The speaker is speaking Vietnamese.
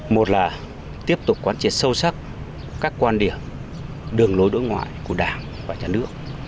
một là tiếp tục quan triệt sâu sắc các quan điểm đường lối đối ngoại của đảng và nhà nước